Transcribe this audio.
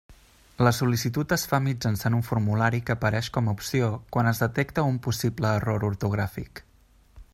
La sol·licitud es fa mitjançant un formulari que apareix com a opció quan es detecta un possible error ortogràfic.